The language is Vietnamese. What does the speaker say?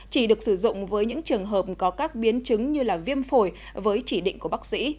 chỉ được sử dụng với những trường hợp có các biến chứng như viêm phổi với chỉ định của bác sĩ